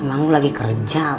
emang lu lagi kerja